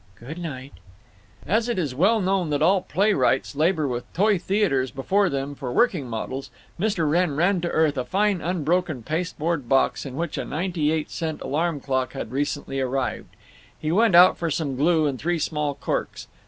"Good night." As it is well known that all playwrights labor with toy theaters before them for working models, Mr. Wrenn ran to earth a fine unbroken pasteboard box in which a ninety eight cent alarm clock had recently arrived. He went out for some glue and three small corks.